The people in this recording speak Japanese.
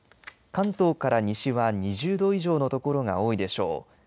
関東から西は２０度以上の所が多いでしょう。